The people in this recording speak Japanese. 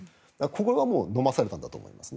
そこはのまされたんだと思います。